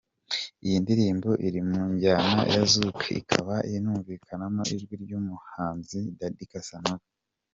Iyi ndirimbo iri mu njyana ya Zouk ikaba inumvikanamo ijwi ry’umuhanzi Daddy cassanova.